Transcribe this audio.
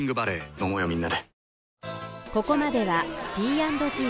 飲もうよみんなで。